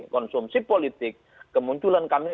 konsumsi politik kemunculan kami